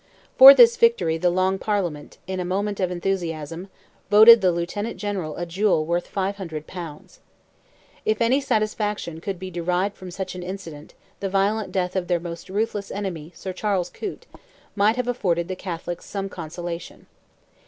For this victory the Long Parliament, in a moment of enthusiasm, voted the Lieutenant General a jewel worth 500 pounds. If any satisfaction could be derived from such an incident, the violent death of their most ruthless enemy, Sir Charles Coote, might have afforded the Catholics some consolation.